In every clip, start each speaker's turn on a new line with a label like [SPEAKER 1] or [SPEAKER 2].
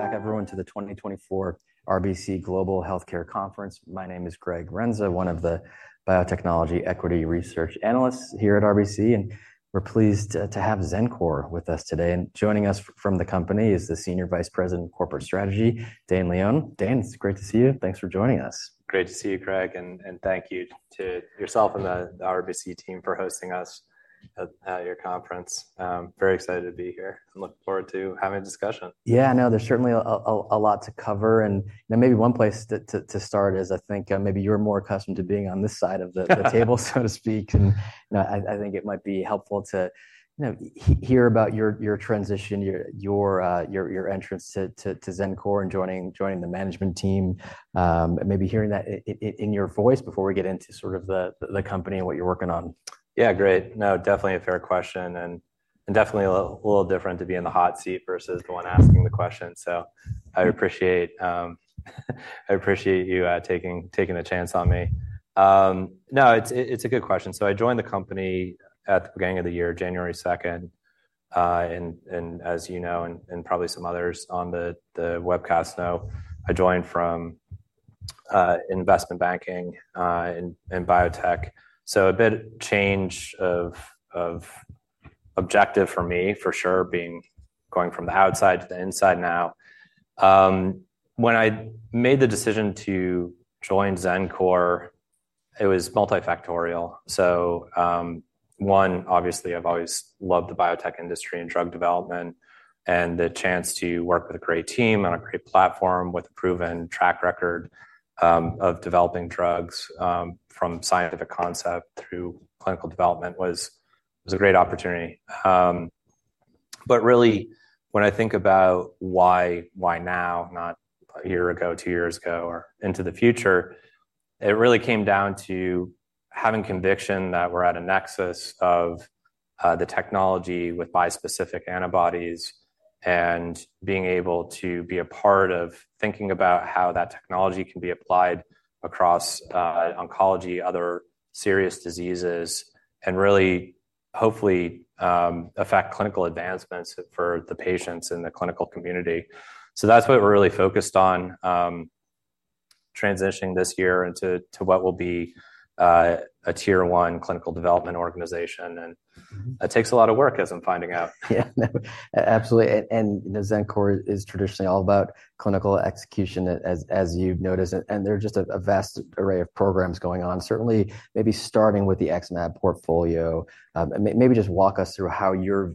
[SPEAKER 1] Welcome back, everyone, to the 2024 RBC Global Healthcare Conference. My name is Greg Renza, one of the Biotechnology Equity Research Analysts here at RBC, and we're pleased to have Xencor with us today. Joining us from the company is the Senior Vice President of Corporate Strategy, Dane Leone. Dane, it's great to see you. Thanks for joining us.
[SPEAKER 2] Great to see you, Greg, and thank you to yourself and the RBC team for hosting us at your conference. Very excited to be here and look forward to having a discussion.
[SPEAKER 1] Yeah, I know there's certainly a lot to cover. Maybe one place to start is, I think, maybe you're more accustomed to being on this side of the table, so to speak. I think it might be helpful to hear about your transition, your entrance to Xencor, and joining the management team, maybe hearing that in your voice before we get into sort of the company and what you're working on.
[SPEAKER 2] Yeah, great. No, definitely a fair question and definitely a little different to be in the hot seat versus the one asking the question. So I appreciate you taking the chance on me. No, it's a good question. So I joined the company at the beginning of the year, 2nd January. And as you know and probably some others on the webcast know, I joined from investment banking and biotech. So a bit change of objective for me, for sure, going from the outside to the inside now. When I made the decision to join Xencor, it was multifactorial. So one, obviously, I've always loved the biotech industry and drug development, and the chance to work with a great team on a great platform with a proven track record of developing drugs from scientific concept through clinical development was a great opportunity. But really, when I think about why now, not a year ago, two years ago, or into the future, it really came down to having conviction that we're at a nexus of the technology with bispecific antibodies and being able to be a part of thinking about how that technology can be applied across oncology, other serious diseases, and really, hopefully, affect clinical advancements for the patients and the clinical community. So that's what we're really focused on, transitioning this year into what will be a tier one clinical development organization. And it takes a lot of work, as I'm finding out.
[SPEAKER 1] Yeah, absolutely. And Xencor is traditionally all about clinical execution, as you've noticed. And there's just a vast array of programs going on, certainly maybe starting with the XMAB portfolio. Maybe just walk us through how you're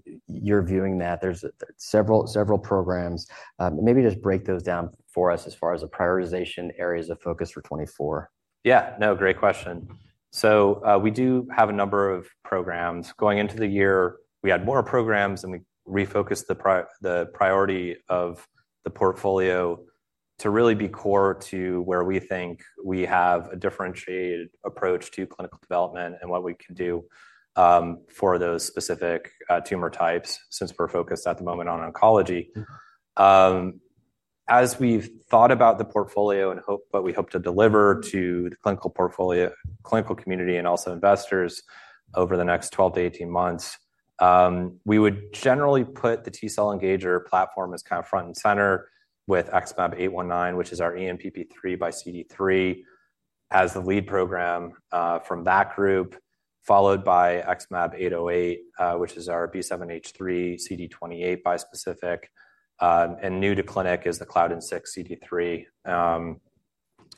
[SPEAKER 1] viewing that. There's several programs. Maybe just break those down for us as far as the prioritization areas of focus for 2024.
[SPEAKER 2] Yeah, no, great question. So we do have a number of programs. Going into the year, we had more programs, and we refocused the priority of the portfolio to really be core to where we think we have a differentiated approach to clinical development and what we can do for those specific tumor types, since we're focused at the moment on oncology. As we've thought about the portfolio and what we hope to deliver to the clinical portfolio, clinical community, and also investors over the next 12-18 months, we would generally put the T-cell engager platform as kind of front and center with XmAb819, which is our ENPP3 x CD3, as the lead program from that group, followed by XmAb808, which is our B7-H3 x CD28 bispecific. And new to clinic is the Claudin -6 x CD3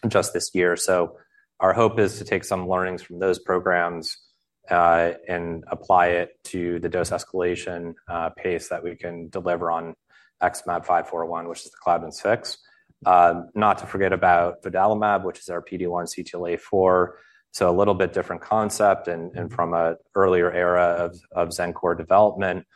[SPEAKER 2] just this year. So our hope is to take some learnings from those programs and apply it to the dose escalation pace that we can deliver on XmAb541, which is the Claudin-6. Not to forget about vudalimab, which is our PD-1 CTLA-4. So a little bit different concept and from an earlier era of Xencor development.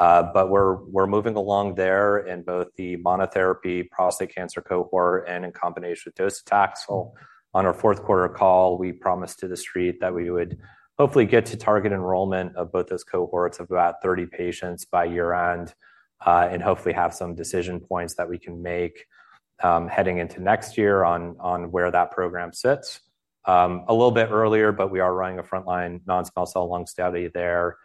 [SPEAKER 2] But we're moving along there in both the monotherapy prostate cancer cohort and in combination with docetaxel. So on our fourth quarter call, we promised to the street that we would hopefully get to target enrollment of both those cohorts of about 30 patients by year-end and hopefully have some decision points that we can make heading into next year on where that program sits. A little bit earlier, but we are running a frontline non-small cell lung study there,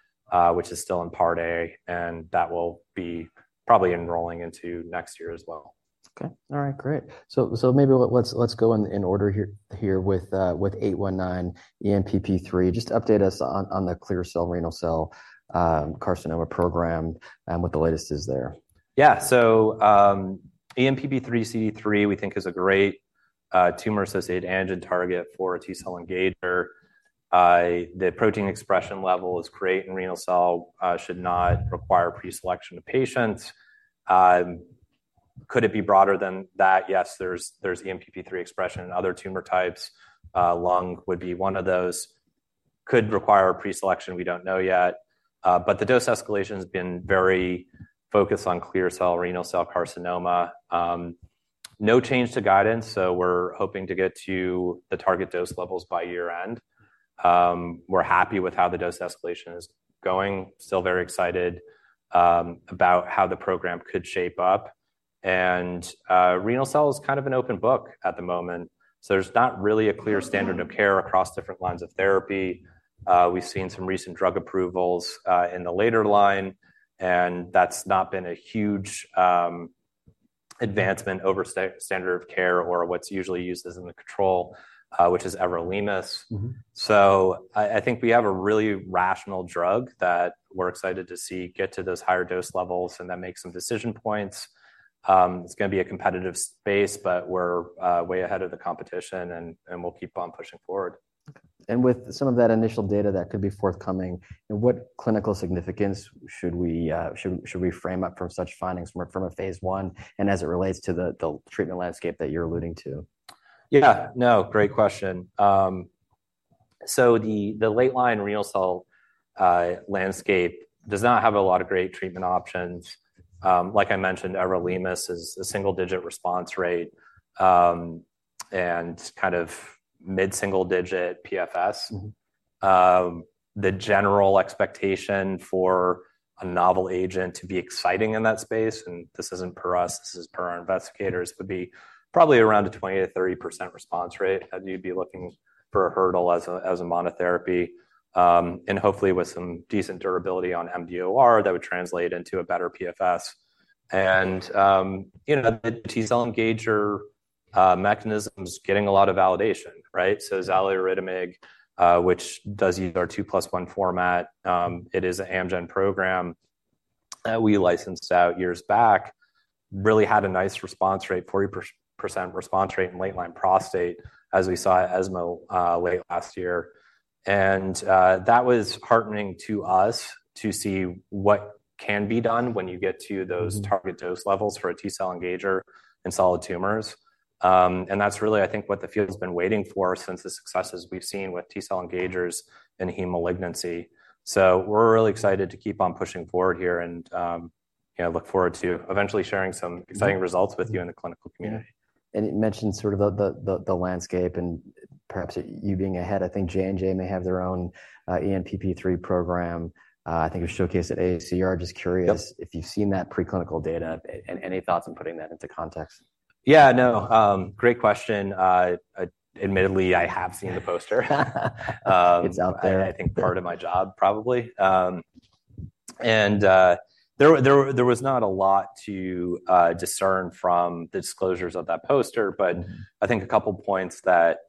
[SPEAKER 2] which is still in part A, and that will be probably enrolling into next year as well.
[SPEAKER 1] Okay, all right, great. So maybe let's go in order here with 819 ENPP3. Just update us on the clear cell renal cell carcinoma program and what the latest is there.
[SPEAKER 2] Yeah, so ENPP3 CD3, we think, is a great tumor-associated antigen target for a T-cell engager. The protein expression level is great, and renal cell should not require preselection of patients. Could it be broader than that? Yes, there's ENPP3 expression, and other tumor types, lung would be one of those. Could require preselection, we don't know yet. But the dose escalation has been very focused on clear cell renal cell carcinoma. No change to guidance, so we're hoping to get to the target dose levels by year-end. We're happy with how the dose escalation is going. Still very excited about how the program could shape up. And renal cell is kind of an open book at the moment, so there's not really a clear standard of care across different lines of therapy. We've seen some recent drug approvals in the later line, and that's not been a huge advancement over standard of care or what's usually used as in the control, which is Everolimus. So I think we have a really rational drug that we're excited to see get to those higher dose levels and then make some decision points. It's going to be a competitive space, but we're way ahead of the competition, and we'll keep on pushing forward.
[SPEAKER 1] With some of that initial data that could be forthcoming, what clinical significance should we frame up from such findings from a phase I and as it relates to the treatment landscape that you're alluding to?
[SPEAKER 2] Yeah, no, great question. So the late-line renal cell landscape does not have a lot of great treatment options. Like I mentioned, everolimus is a single-digit response rate and kind of mid-single-digit PFS. The general expectation for a novel agent to be exciting in that space, and this isn't per us, this is per our investigators, would be probably around a 20%-30% response rate. You'd be looking for a hurdle as a monotherapy and hopefully with some decent durability on MDOR that would translate into a better PFS. And the T-cell engager mechanism is getting a lot of validation, right? So Xaluritamib, which does use our 2+1 format, it is an Amgen program that we licensed out years back, really had a nice response rate, 40% response rate in late-line prostate, as we saw at ESMO late last year. And that was heartening to us to see what can be done when you get to those target dose levels for a T-cell engager in solid tumors. And that's really, I think, what the field has been waiting for since the successes we've seen with T-cell engagers in heme malignancy. So we're really excited to keep on pushing forward here and look forward to eventually sharing some exciting results with you in the clinical community.
[SPEAKER 1] You mentioned sort of the landscape and perhaps you being ahead. I think J&J may have their own ENPP3 program, I think, showcased at AACR. Just curious if you've seen that preclinical data and any thoughts on putting that into context.
[SPEAKER 2] Yeah, no, great question. Admittedly, I have seen the poster.
[SPEAKER 1] It's out there.
[SPEAKER 2] I think part of my job, probably. There was not a lot to discern from the disclosures of that poster, but I think a couple of points that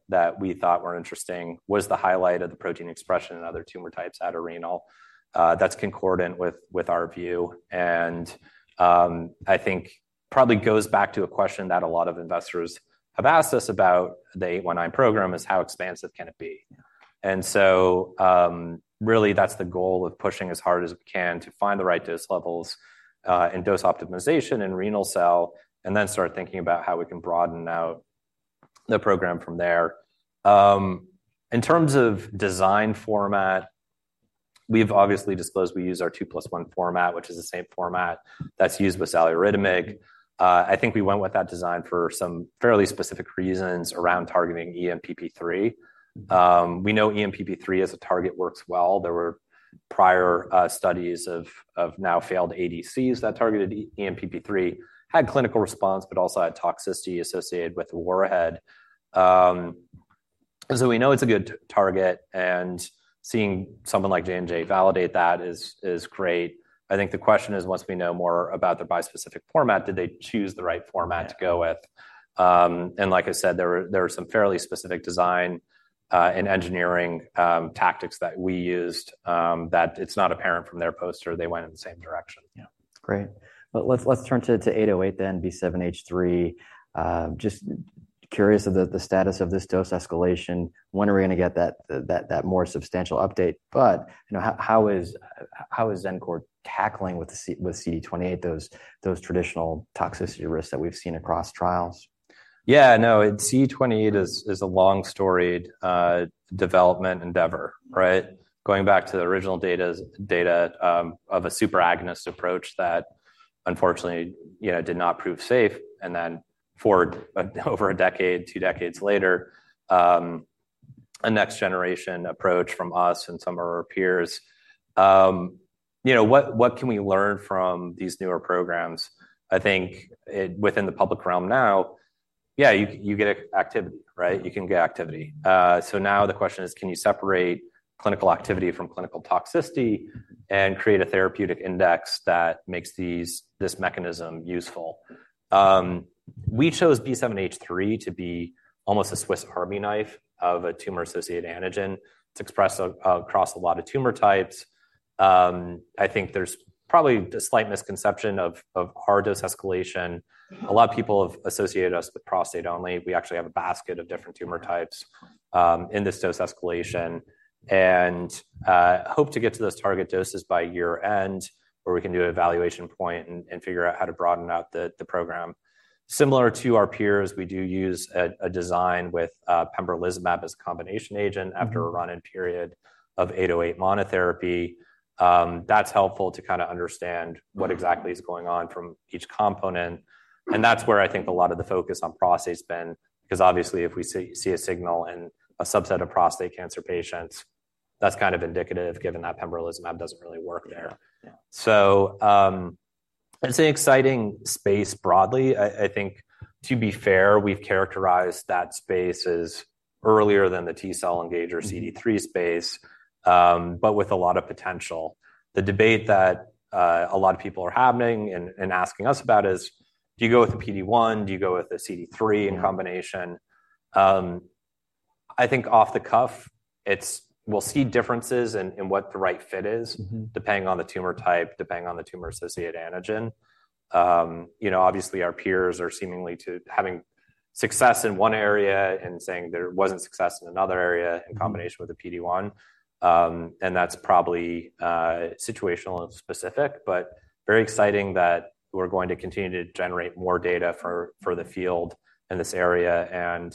[SPEAKER 2] we thought were interesting was the highlight of the protein expression in other tumor types out of renal. That's concordant with our view. I think probably goes back to a question that a lot of investors have asked us about the 819 program is how expansive can it be? So really, that's the goal of pushing as hard as we can to find the right dose levels and dose optimization in renal cell and then start thinking about how we can broaden out the program from there. In terms of design format, we've obviously disclosed we use our 2+1 format, which is the same format that's used with Xaluritamib. I think we went with that design for some fairly specific reasons around targeting ENPP3. We know ENPP3 as a target works well. There were prior studies of now failed ADCs that targeted ENPP3, had clinical response, but also had toxicity associated with warhead. And so we know it's a good target, and seeing someone like J&J validate that is great. I think the question is, once we know more about their bispecific format, did they choose the right format to go with? And like I said, there were some fairly specific design and engineering tactics that we used that it's not apparent from their poster they went in the same direction.
[SPEAKER 1] Yeah, great. Let's turn to 808 then, B7-H3. Just curious of the status of this dose escalation. When are we going to get that more substantial update? But how is Xencor tackling with CD28 those traditional toxicity risks that we've seen across trials?
[SPEAKER 2] Yeah, no, CD28 is a long-storied development endeavor, right? Going back to the original data of a super agonist approach that, unfortunately, did not prove safe. And then for over a decade, two decades later, a next generation approach from us and some of our peers. What can we learn from these newer programs? I think within the public realm now, yeah, you get activity, right? You can get activity. So now the question is, can you separate clinical activity from clinical toxicity and create a therapeutic index that makes this mechanism useful? We chose B7-H3 to be almost a Swiss Army knife of a tumor-associated antigen. It's expressed across a lot of tumor types. I think there's probably a slight misconception of our dose escalation. A lot of people have associated us with prostate only. We actually have a basket of different tumor types in this dose escalation and hope to get to those target doses by year-end, or we can do an evaluation point and figure out how to broaden out the program. Similar to our peers, we do use a design with Pembrolizumab as a combination agent after a run-in period of 808 monotherapy. That's helpful to kind of understand what exactly is going on from each component. That's where I think a lot of the focus on prostate has been, because obviously, if we see a signal in a subset of prostate cancer patients, that's kind of indicative, given that Pembrolizumab doesn't really work there. So it's an exciting space broadly. I think, to be fair, we've characterized that space as earlier than the T-cell engager CD3 space, but with a lot of potential. The debate that a lot of people are having and asking us about is, do you go with a PD-1? Do you go with a CD3 in combination? I think off the cuff, we'll see differences in what the right fit is, depending on the tumor type, depending on the tumor-associated antigen. Obviously, our peers are seemingly having success in one area and saying there wasn't success in another area in combination with a PD-1. That's probably situational and specific, but very exciting that we're going to continue to generate more data for the field in this area.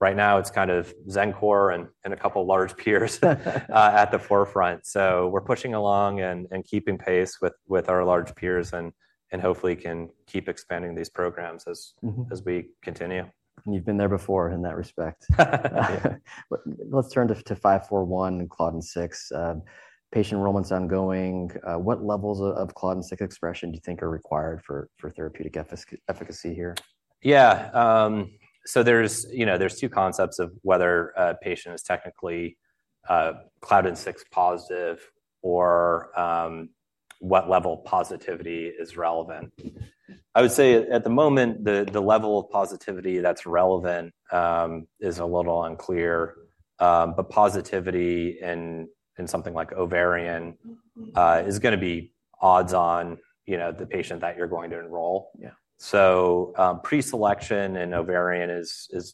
[SPEAKER 2] Right now, it's kind of Xencor and a couple of large peers at the forefront. We're pushing along and keeping pace with our large peers and hopefully can keep expanding these programs as we continue.
[SPEAKER 1] You've been there before in that respect. Let's turn to 541 and Claudin-6. Patient enrollment is ongoing. What levels of Claudin-6 expression do you think are required for therapeutic efficacy here?
[SPEAKER 2] Yeah, so there's two concepts of whether a patient is technically Claudin-6 positive or what level of positivity is relevant. I would say at the moment, the level of positivity that's relevant is a little unclear. But positivity in something like ovarian is going to be odds on the patient that you're going to enroll. So preselection in ovarian is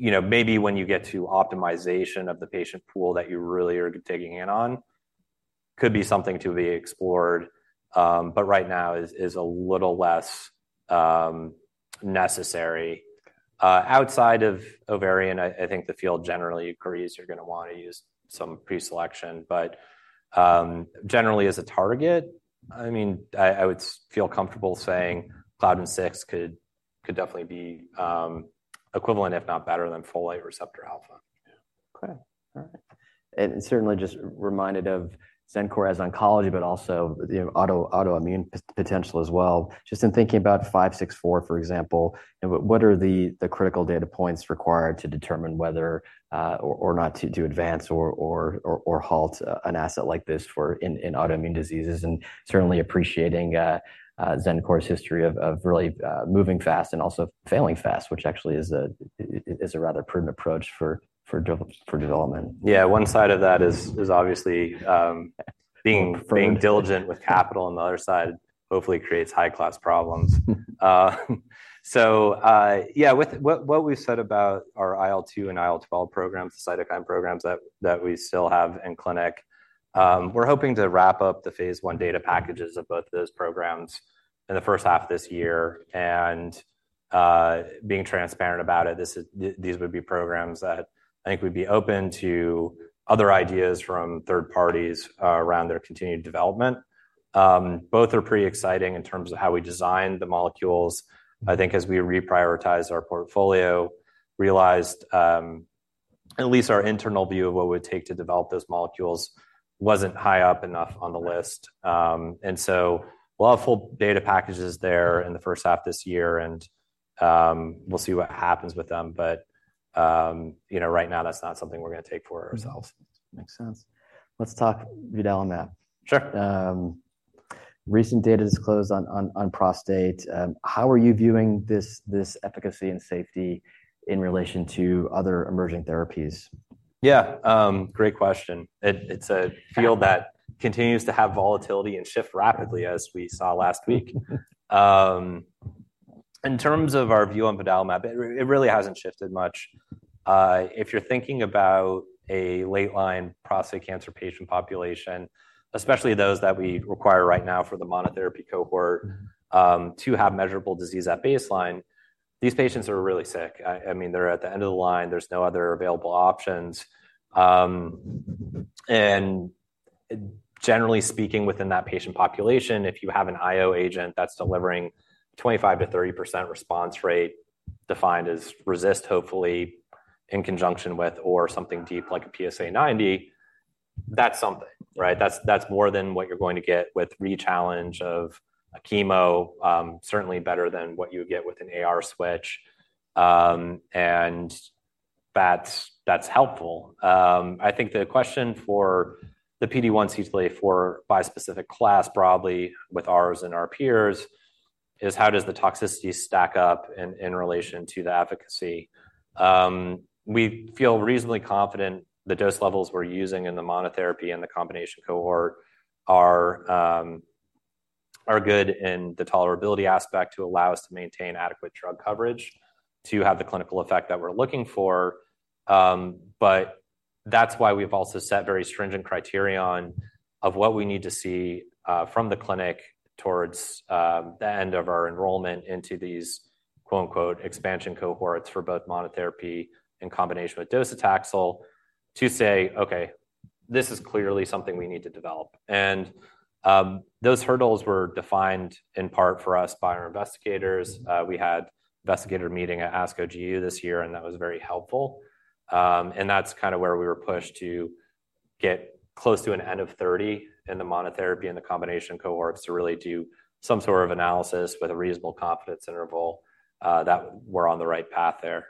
[SPEAKER 2] maybe when you get to optimization of the patient pool that you really are taking in on, could be something to be explored, but right now is a little less necessary. Outside of ovarian, I think the field generally agrees you're going to want to use some preselection. But generally, as a target, I mean, I would feel comfortable saying Claudin-6 could definitely be equivalent, if not better, than folate receptor alpha.
[SPEAKER 1] Okay, all right. And certainly just reminded of Xencor as oncology, but also autoimmune potential as well. Just in thinking about 564, for example, what are the critical data points required to determine whether or not to advance or halt an asset like this in autoimmune diseases? And certainly appreciating Xencor's history of really moving fast and also failing fast, which actually is a rather prudent approach for development.
[SPEAKER 2] Yeah, one side of that is obviously being diligent with capital. And the other side hopefully creates high-class problems. So yeah, with what we've said about our IL-2 and IL-12 programs, the cytokine programs that we still have in clinic, we're hoping to wrap up the phase 1 data packages of both those programs in the first half of this year. And being transparent about it, these would be programs that I think would be open to other ideas from third parties around their continued development. Both are pretty exciting in terms of how we designed the molecules. I think as we reprioritized our portfolio, realized at least our internal view of what would take to develop those molecules wasn't high up enough on the list. And so we'll have full data packages there in the first half of this year, and we'll see what happens with them. But right now, that's not something we're going to take for ourselves.
[SPEAKER 1] Makes sense. Let's talk vudalimab.
[SPEAKER 2] Sure.
[SPEAKER 1] Recent data disclosed on prostate. How are you viewing this efficacy and safety in relation to other emerging therapies?
[SPEAKER 2] Yeah, great question. It's a field that continues to have volatility and shift rapidly, as we saw last week. In terms of our view on vudalimab, it really hasn't shifted much. If you're thinking about a late-line prostate cancer patient population, especially those that we require right now for the monotherapy cohort to have measurable disease at baseline, these patients are really sick. I mean, they're at the end of the line. There's no other available options. And generally speaking, within that patient population, if you have an IO agent that's delivering 25%-30% response rate defined as RECIST, hopefully, in conjunction with or something deep like a PSA 90, that's something, right? That's more than what you're going to get with re-challenge of chemo, certainly better than what you would get with an AR switch. And that's helpful. I think the question for the PD-1 CD3 for bispecific class broadly with ours and our peers is, how does the toxicity stack up in relation to the efficacy? We feel reasonably confident the dose levels we're using in the monotherapy and the combination cohort are good in the tolerability aspect to allow us to maintain adequate drug coverage, to have the clinical effect that we're looking for. But that's why we've also set very stringent criteria on what we need to see from the clinic towards the end of our enrollment into these "expansion cohorts" for both monotherapy in combination with Docetaxel to say, okay, this is clearly something we need to develop. And those hurdles were defined in part for us by our investigators. We had an investigator meeting at ASCO GU this year, and that was very helpful. That's kind of where we were pushed to get close to an n of 30 in the monotherapy and the combination cohorts to really do some sort of analysis with a reasonable confidence interval that we're on the right path there.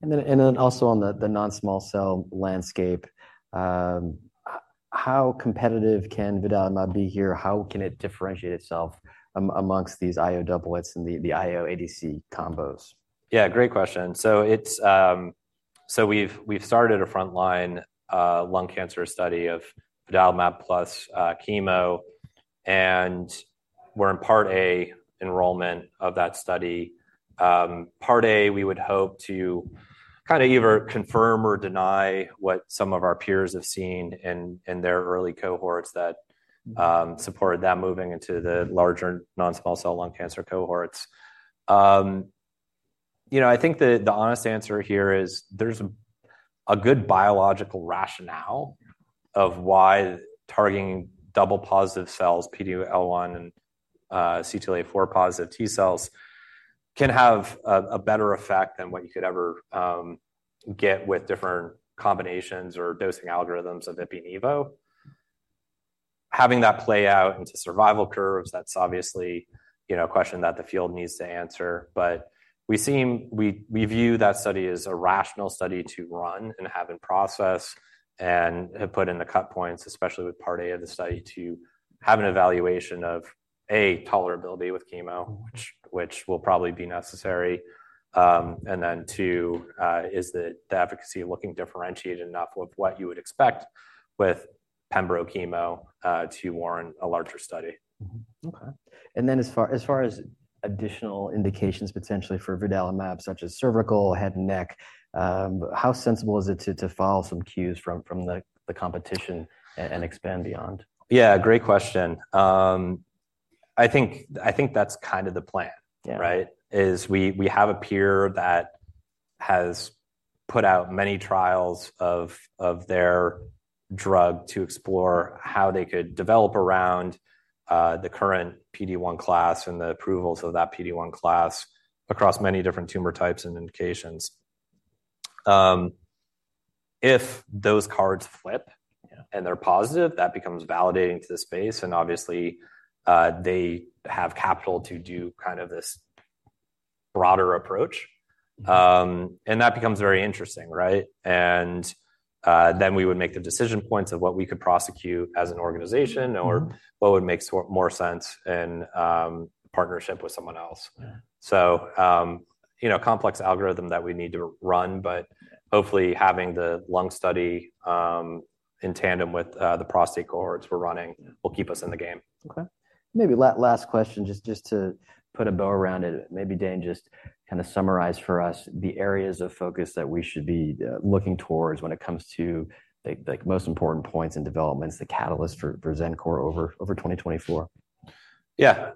[SPEAKER 1] Then also on the non-small cell landscape, how competitive can vudalimab be here? How can it differentiate itself among these IO doublets and the IO ADC combos?
[SPEAKER 2] Yeah, great question. So we've started a frontline lung cancer study of vudalimab plus chemo. And we're in part A enrollment of that study. Part A, we would hope to kind of either confirm or deny what some of our peers have seen in their early cohorts that supported that moving into the larger non-small cell lung cancer cohorts. I think the honest answer here is there's a good biological rationale of why targeting double-positive cells, PD-1 and CTLA-4-positive T cells, can have a better effect than what you could ever get with different combinations or dosing algorithms of Ipi/Nivo. Having that play out into survival curves, that's obviously a question that the field needs to answer. But we view that study as a rational study to run and have in process and have put in the cut points, especially with part A of the study, to have an evaluation of, A, tolerability with chemo, which will probably be necessary. And then two, is the efficacy looking differentiated enough with what you would expect with pembrochemo to warrant a larger study?
[SPEAKER 1] Okay. And then as far as additional indications potentially for vudalimab, such as cervical, head and neck, how sensible is it to follow some cues from the competition and expand beyond?
[SPEAKER 2] Yeah, great question. I think that's kind of the plan, right? We have a peer that has put out many trials of their drug to explore how they could develop around the current PD1 class and the approvals of that PD1 class across many different tumor types and indications. If those cards flip and they're positive, that becomes validating to the space. And obviously, they have capital to do kind of this broader approach. And that becomes very interesting, right? And then we would make the decision points of what we could prosecute as an organization or what would make more sense in partnership with someone else. So, complex algorithm that we need to run, but hopefully having the lung study in tandem with the prostate cohorts we're running will keep us in the game.
[SPEAKER 1] Okay. Maybe last question, just to put a bow around it, maybe Dane, just kind of summarize for us the areas of focus that we should be looking towards when it comes to the most important points and developments, the catalyst for Xencor over 2024.
[SPEAKER 2] Yeah.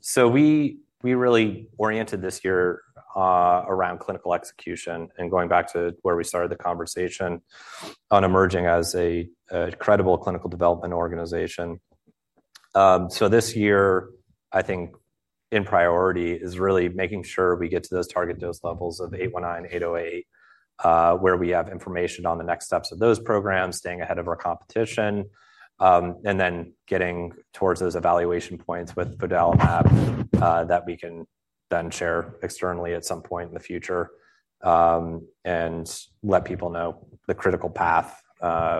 [SPEAKER 2] So we really oriented this year around clinical execution and going back to where we started the conversation on emerging as a credible clinical development organization. So this year, I think in priority is really making sure we get to those target dose levels of 819, 808, where we have information on the next steps of those programs, staying ahead of our competition, and then getting towards those evaluation points with vudalimab that we can then share externally at some point in the future and let people know the critical path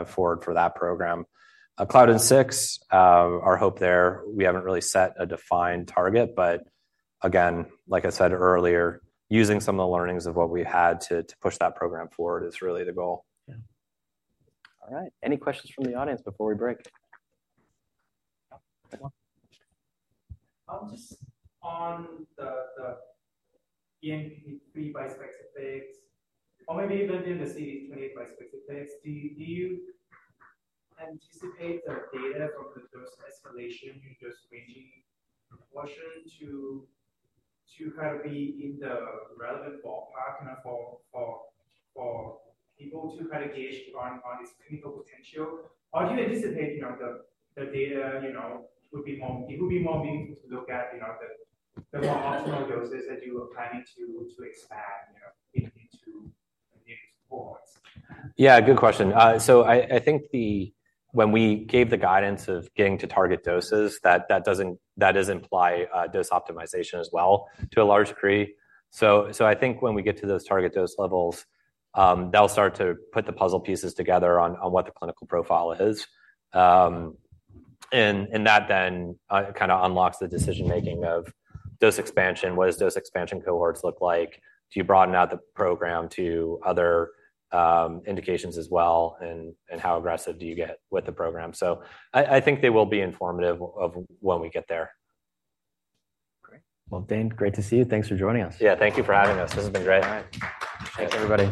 [SPEAKER 2] forward for that program. Claudin-6, our hope there, we haven't really set a defined target. But again, like I said earlier, using some of the learnings of what we've had to push that program forward is really the goal.
[SPEAKER 1] All right. Any questions from the audience before we break?
[SPEAKER 3] Just on the ENPP3 bispecifics, or maybe even the CD28 bispecifics, do you anticipate the data from the dose escalation in just ranging portion to kind of be in the relevant ballpark for people to kind of gauge on its clinical potential? Or do you anticipate the data would be more meaningful to look at the more optimal doses that you are planning to expand into the nearest cohorts?
[SPEAKER 2] Yeah, good question. So I think when we gave the guidance of getting to target doses, that doesn't imply dose optimization as well to a large degree. So I think when we get to those target dose levels, they'll start to put the puzzle pieces together on what the clinical profile is. And that then kind of unlocks the decision-making of dose expansion. What does dose expansion cohorts look like? Do you broaden out the program to other indications as well? And how aggressive do you get with the program? So I think they will be informative of when we get there.
[SPEAKER 1] Great. Well, Dane, great to see you. Thanks for joining us.
[SPEAKER 2] Yeah, thank you for having us. This has been great.
[SPEAKER 1] All right.
[SPEAKER 2] Thanks, everybody.